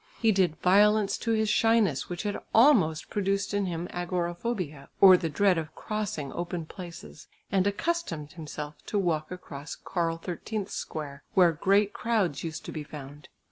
He did violence to his shyness, which had almost produced in him "agoraphobia," or the dread of crossing open places, and accustomed himself to walk across Karl XIII's square where great crowds used to be found.